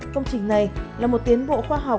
công trình này là một tiến bộ khoa học